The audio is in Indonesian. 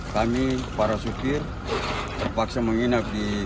kami para supir terpaksa menginap di